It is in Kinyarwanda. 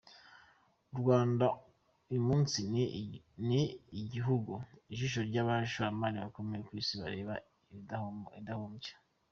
U Rwanda uyu munsi ni igihugu ijisho ry’abashoramari bakomeye ku Isi bareba iridahumbya.